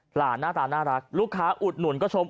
หน้าตาน่ารักลูกค้าอุดหนุนก็ชม